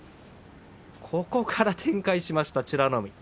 そこから展開しました美ノ海。